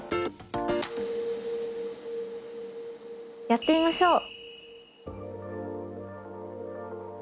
やってみましょう。